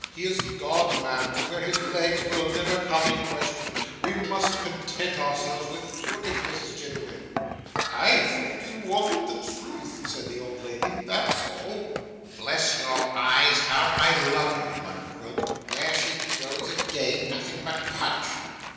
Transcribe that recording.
He is gone, ma'am, to where his legs will never come in question. We will content ourselves with crooked, Mrs Jiniwin.' 'I thought you wanted the truth,' said the old lady. 'That's all.' 'Bless your eyes, how I love you,' muttered Quilp. 'There she goes again. Nothing but punch!